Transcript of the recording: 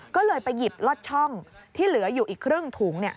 ก็เลยไปหยิบลอดช่องที่เหลืออยู่อีกครึ่งถุง